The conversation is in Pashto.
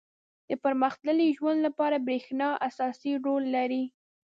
• د پرمختللي ژوند لپاره برېښنا اساسي رول لري.